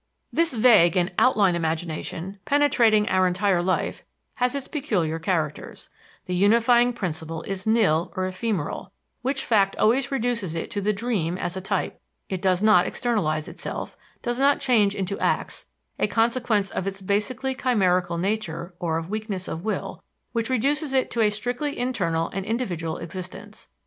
This vague and "outline" imagination, penetrating our entire life, has its peculiar characters the unifying principle is nil or ephemeral, which fact always reduces it to the dream as a type; it does not externalize itself, does not change into acts, a consequence of its basically chimerical nature or of weakness of will, which reduces it to a strictly internal and individual existence.